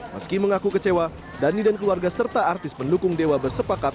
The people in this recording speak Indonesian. meski mengaku kecewa dhani dan keluarga serta artis pendukung dewa bersepakat